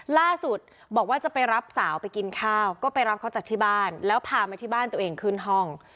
ล่าสุดบอกว่าจะไปรับสาวไปกินข้าวก็ไปรับเขาจากที่บ้านแล้วพามาที่บ้านตัวเองขึ้นห้อง